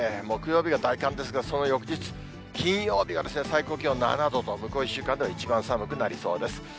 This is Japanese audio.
木曜日が大寒ですが、その翌日、金曜日は最高気温７度と、向こう１週間では一番寒くなりそうです。